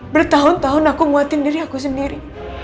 bertahun tahun aku nguatin diri aku sendiri